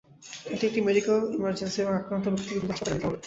এটি একটি medical emergency এবং আক্রান্ত ব্যক্তিকে দ্রুত হাসপাতালে নিতে হবে।